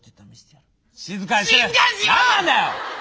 何なんだよ！